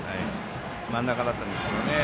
真ん中だったんですけどね。